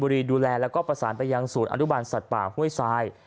ดูแลแล้วก็ประสานไปยังศูนย์อนุบันสัตว์ป่าห้วยทราย